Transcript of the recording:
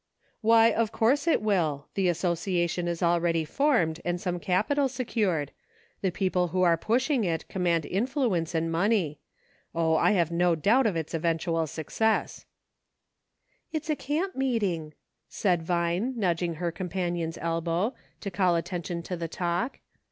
"Why, of course it will. The association is already formed, and some capital secured. The people who are pushing it command influence and money. Oh ! I have no doubt of its eventual suc cess." " It's a camp meeting," said Vine, nudging her companion's elbow, to call attention to the talk.